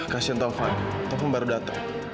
kasian taufan taufan baru datang